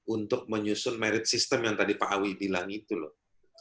untuk menyusun merit system yang tadi pak awi bilang itu loh